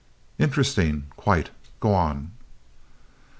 "Interesting quite. Go on."